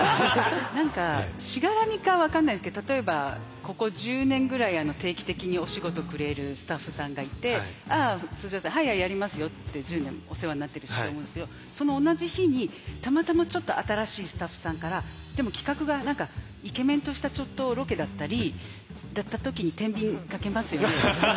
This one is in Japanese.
何かしがらみか分かんないですけど例えばここ１０年ぐらい定期的にお仕事くれるスタッフさんがいてああ通常だと「はいはいやりますよ」って１０年お世話になってるしと思うんですけどその同じ日にたまたまちょっと新しいスタッフさんからでも企画が何かイケメンとしたちょっとロケだったりだった時にてんびんかけますよね。